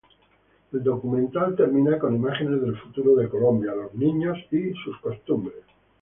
El documental termina con imágenes del futuro de Colombia: Los niños y sus costumbres.